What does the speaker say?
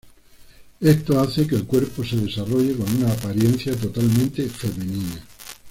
Esto hace que el cuerpo se desarrolle con una apariencia totalmente femenina.